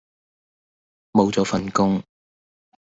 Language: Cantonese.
無咗份工